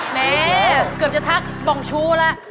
แม้เกือบจะทักบ่องชูแล้ว